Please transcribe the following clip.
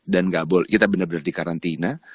dan kita benar benar di karantina